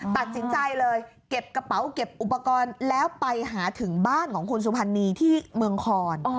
ตัดสินใจเลยเก็บกระเป๋าเก็บอุปกรณ์แล้วไปหาถึงบ้านของคุณสุพรรณีที่เมืองคอน